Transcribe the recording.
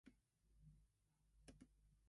The name means "cursed one" or "accursed one".